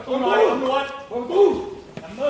ตำรวจแห่งมือ